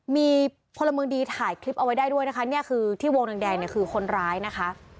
มีพลเมืองดีถ่ายคลิปเอาไว้ได้ด้วยนะคะเนี่ยคือที่วงแดงเนี่ยคือคนร้ายนะคะ